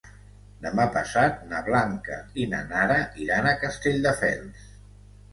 Demà passat na Blanca i na Nara iran a Castelldefels.